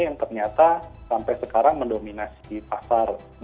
yang ternyata sampai sekarang mendominasi pasar